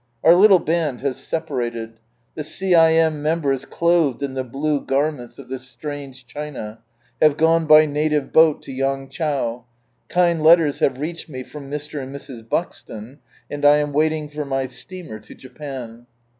Our Httle band has separated. The C.LM. members clothed in the blue garments of this strange China, have gone by native boat to Yangchau, kind letters have reached me from Mr. and Mrs. Bu.xton, and I am waiting for my steamer to Japan.